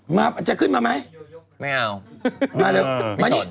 หมายให้เยอะซิบอกซิ